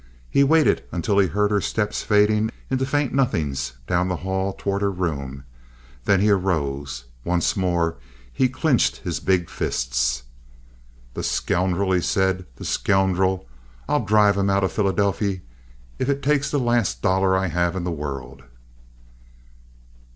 He waited until he heard her steps fading into faint nothings down the hall toward her room. Then he arose. Once more he clinched his big fists. "The scoundrel!" he said. "The scoundrel! I'll drive him out of Philadelphy, if it takes the last dollar I have in the world."